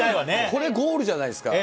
これ、ゴールじゃないですか。